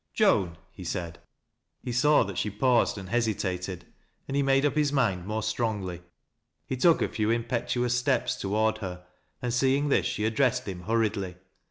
" Joan," he said. 170 THAT LASS 0' LOWBIE'S He saw that she paused and hesitated, and he made up his m'nd more strongly. He took a few impetuous step) toward her , and seeing this, she addressed him hurriedly.